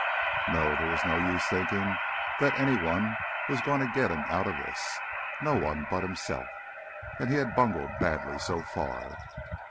No, there was no use thinking that anyone was going to get him out of this—no one but himself, and he had bungled badly so far.